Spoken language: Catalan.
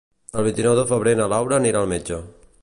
El vint-i-nou de febrer na Laura anirà al metge.